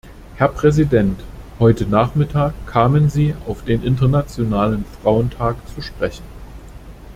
Herr Präsident! Heute Nachmittag kamen Sie auf den Internationalen Frauentag zu sprechen.